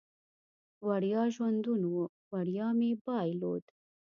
وړیا ژوندون و، وړیا مې بایلود